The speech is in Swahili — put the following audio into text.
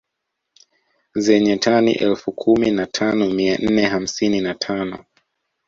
Zenye tani elfu kumi na tano mia nne hamsini na tano